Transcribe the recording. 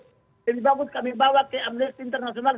lebih bagus kami bawa ke amnesty international